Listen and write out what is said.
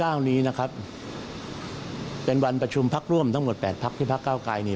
ในวันที่๒๙นี้นะครับเป็นวันประชุมพักร่วมทั้งหมด๘พักที่พัก๙ไกลนี้